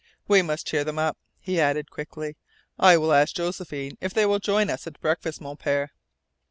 "We must cheer them up," he added quickly. "I will ask Josephine if they will join us at breakfast, Mon Pere."